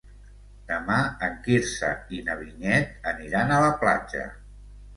Demà en Quirze i na Vinyet aniran a la platja.